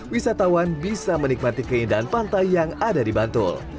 wisatawan bisa menikmati keindahan pantai yang ada di bantul